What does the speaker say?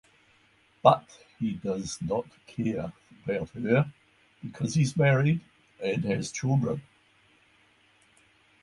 But he does not care about her because he is married and has children.